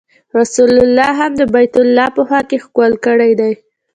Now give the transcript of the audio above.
رسول الله هم د بیت الله په خوا کې ښکل کړی دی.